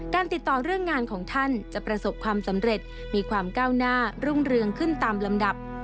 ติดต่อเรื่องงานของท่านจะประสบความสำเร็จมีความก้าวหน้ารุ่งเรืองขึ้นตามลำดับ